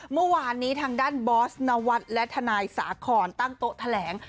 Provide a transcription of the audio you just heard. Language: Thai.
เมื่อวานนี้ทางด้านบอสนวัฒน์และทนายสาครตั้งโต๊ะแถลง